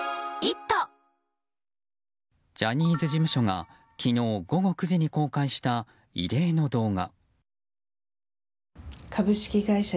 ジャニーズ事務所が昨日午後９時に公開した異例の動画。